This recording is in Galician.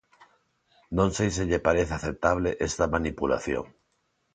Non sei se lle parece aceptable esta manipulación.